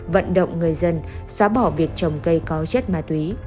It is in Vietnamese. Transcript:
vận động người dân xóa bỏ việc trồng cây có chất ma túy